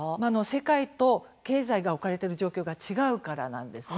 世界と経済が置かれている状況が違うからなんです。